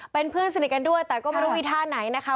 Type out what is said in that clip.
เป็นเพื่อนสนิทกันด้วยแต่ก็ไม่รู้วิท่าไหนนะคะ